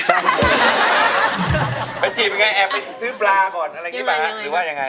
แต่จีบยังไงแอบหนึ่งซื้อบลาก่อนอะไรไงปะหรือว่ายังไง